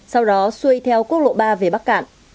sau đó xuôi theo quốc lộ ba về bắc cạn